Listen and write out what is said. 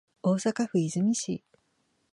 大阪府和泉市